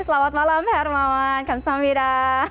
selamat malam pak hermawan kamsahamnida